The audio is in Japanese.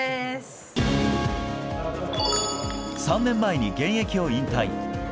３年前に現役を引退。